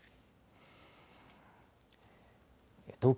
東京